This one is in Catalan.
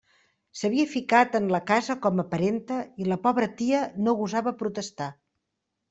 S'havia ficat en la casa com a parenta, i la pobra tia no gosava protestar.